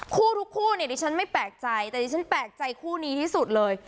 คู่ทุกคู่เนี่ยดิฉันไม่แปลกใจแต่ดิฉันแปลกใจคู่นี้ที่สุดเลย